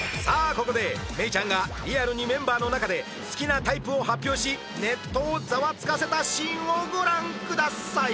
ここで芽郁ちゃんがリアルにメンバーの中で好きなタイプを発表しネットをざわつかせたシーンをご覧ください